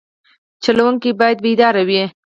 چلوونکی باید بیدار وي.